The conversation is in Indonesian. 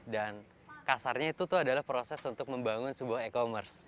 kasarnya itu tuh adalah proses untuk membangun sebuah e commerce